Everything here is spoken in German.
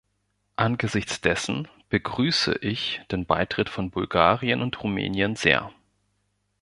Angesichts dessen begrüße ich den Beitritt von Bulgarien und Rumänien sehr.